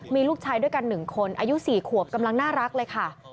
มีลูกชายด้วยกัน๑คนอายุ๔ขวบกำลังน่ารักเลยค่ะ